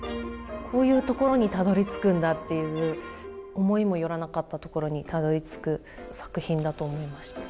こういうところにたどりつくんだっていう思いも寄らなかったところにたどりつく作品だと思いました。